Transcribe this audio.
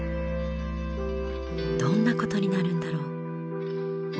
どんなことになるんだろう？